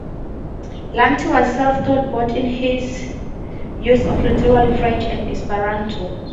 Lanti was self-taught both in his use of literary French and Esperanto.